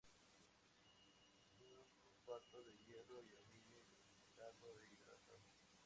Es un fosfato de hierro y aluminio, hidroxilado e hidratado.